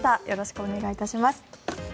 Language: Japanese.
よろしくお願いします。